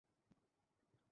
তাকে বাঁচতে দিন।